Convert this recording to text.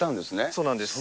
そうなんです。